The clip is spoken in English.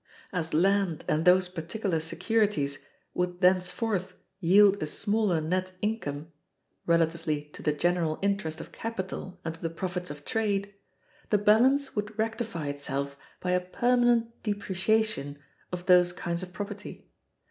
As land and those particular securities would thenceforth yield a smaller net income, relatively to the general interest of capital and to the profits of trade, the balance would rectify itself by a permanent depreciation of those kinds of property.